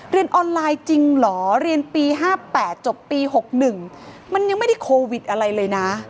เรียนออนไลน์จริงเหรอเรียนปี๕๘จบปี๖๑มันยังไม่ได้โควิดอะไรเลยนะ